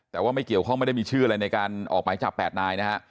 แต่ว่าไม่เกี่ยวข้องไม่ได้มีชื่ออะไรในการออกหมายจับ๘นายนะฮะ